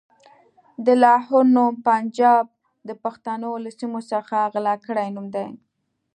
د لاهور نوم پنجاب د پښتنو له سيمو څخه غلا کړی نوم دی.